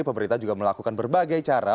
pemerintah juga melakukan berbagai cara